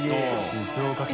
静岡県。